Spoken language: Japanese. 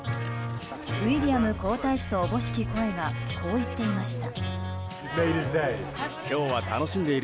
ウィリアム皇太子と思しき声がこう言っていました。